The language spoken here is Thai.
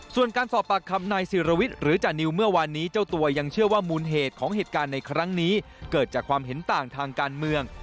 ส่วนการสอบปากคำนายศิรวิทย์หรือจานิวเมื่อวานนี้เจ้าตัวยังเชื่อว่ามูลเหตุของเหตุการณ์ในครั้งนี้เกิดจากความเห็นต่างทางการเมือง